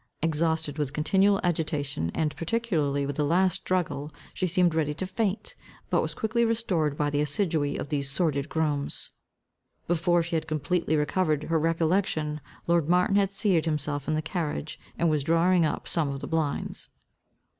Exhausted with continual agitation, and particularly with the last struggle, she seemed ready to faint, but was quickly restored by the assiduity of these sordid grooms. Before she had completely recovered her recollection, lord Martin had seated himself in the carriage, and was drawing up some of the blinds.